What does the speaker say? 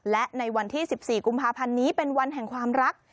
และในวันที่๑๔กุมภาพันธ์นี้เป็นวันแห่งความรัก